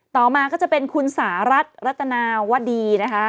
ต่อมาก็จะเป็นคุณสหรัฐรัตนาวดีนะคะ